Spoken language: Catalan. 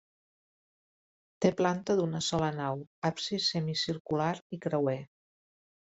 Té planta d'una sola nau, absis semicircular i creuer.